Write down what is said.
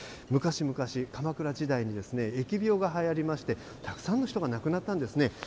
昔々、鎌倉時代に疫病がはやりまして、たくさんの人が亡くなったんですね。